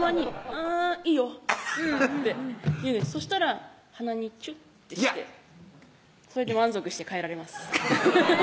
そしたら鼻にチュッてしていやっそれで満足して帰られます